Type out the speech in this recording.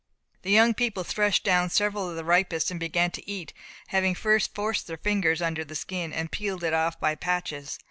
The young people threshed down several of the ripest, and began to eat, having first forced their fingers under the skin, and peeled it off by patches.